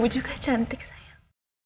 kamu juga cantik sayang